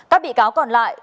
các bị cáo còn lại